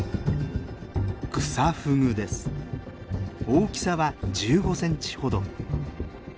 大きさは１５センチほど。